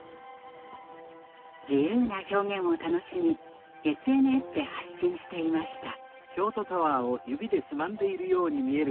自由な表現を楽しみＳＮＳで発信していました。